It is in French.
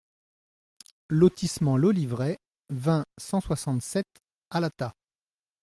Lotissement l'Oliveraie, vingt, cent soixante-sept Alata